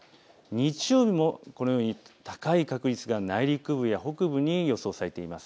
日曜日もこのように高い確率が内陸部、北部に予想されています。